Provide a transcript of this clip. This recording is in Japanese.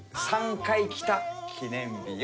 ３回来た記念日よ。